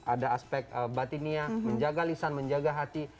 ada aspek batinia menjaga lisan menjaga hati